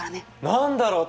何だろう？